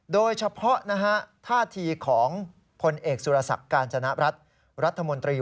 โดยเฉพาะท่าทีของผลเอกสุรสักการจนรับรัฐรัฐมนตรี